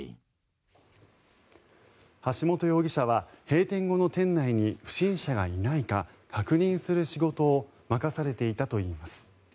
橋本容疑者は閉店後の店内に不審者がいないか確認する仕事を任されていたといいます。